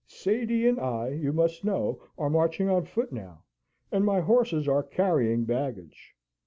Sady and I, you must know, are marching on foot now, and my horses are carrying baggage.